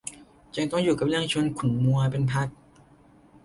ยังต้องอยู่กับเรื่องชวนขุ่นมัวเป็นพัก